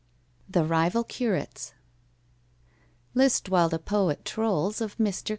THE RIVAL CURATES LIST while the poet trolls Of MR.